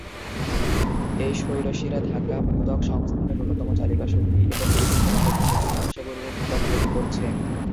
এই "শৈলশিরা ধাক্কা" ভূত্বক সংস্থানের অন্যতম চালিকা শক্তি, এবং এটি ক্রমাগত নতুন মহাসাগরীয় ভূত্বক তৈরি করছে।